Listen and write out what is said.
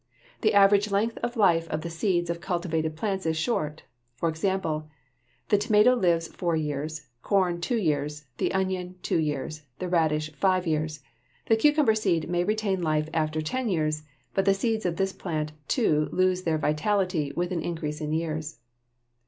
The average length of life of the seeds of cultivated plants is short: for example, the tomato lives four years; corn, two years; the onion, two years; the radish, five years. The cucumber seed may retain life after ten years; but the seeds of this plant too lose their vitality with an increase in years.